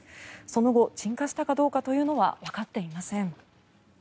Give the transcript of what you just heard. その後鎮火したかどうかというのはわかっていません。